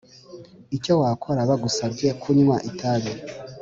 Icyo wakora bagusabye kunywa itabi